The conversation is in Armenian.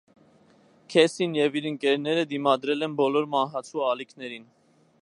Քեսսին և իր ընկերները դիմադրել են բոլոր մահացու «ալիքներին»։